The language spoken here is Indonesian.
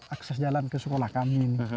akses jalan ke sekolah kami